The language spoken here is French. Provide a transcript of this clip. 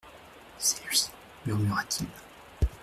C'est lui ! murmura-t-il.